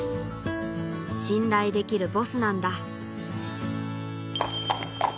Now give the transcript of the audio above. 信頼できるボスなんだ